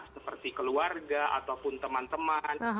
seperti keluarga ataupun teman teman